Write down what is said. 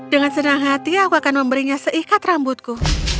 dengan senang hati aku akan memberinya seikat rambutku